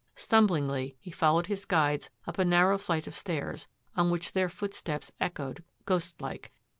Stumblingly, he followed his guides up a narrow flight of stairs, on which their footsteps echoed ghostlike.